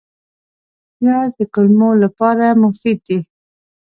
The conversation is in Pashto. پیاز د کولمو لپاره مفید دی